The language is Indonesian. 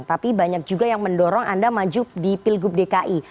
tapi banyak juga yang mendorong anda maju di pilgub dki